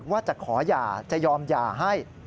ว่าจะขอหย่าจะยอมหย่าให้